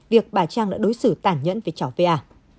việc bà trang đã đối xử tản nhẫn với cháu v a